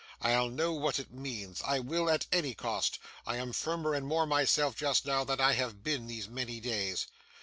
I'll know what it means! I will, at any cost. I am firmer and more myself, just now, than I have been these many days.